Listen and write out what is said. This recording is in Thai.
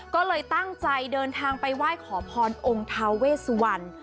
ก็เลยตั้งใจเดินทางไปไหว้ขอพรองค์ทาเวสวัน